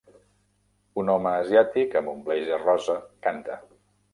Un home asiàtic amb un blazer rosa canta.